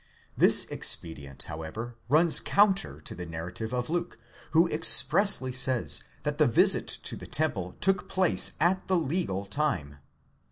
This expedient, however, runs counter to the narrative of Luke, who expressly says, that the visit to the temple took place at the legal time.